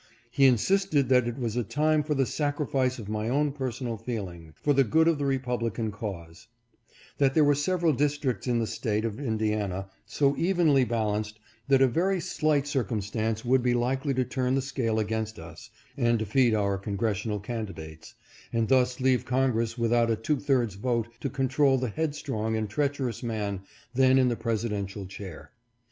He insisted that it was a time for the sacrifice of my own personal feeling, for the good of the Republican cause ; that there were several districts in the State of Indiana so evenly balanced that a very slight circum stance would be likely to turn the scale against us, and defeat our Congressional candidates, and thus leave Con gress without a two thirds vote to control the headstrong and treacherous man then in the presidential chair.